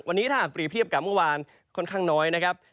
วันนี้ถ้าปรีเทียบกับเมื่อวานค่อนข้างน้อย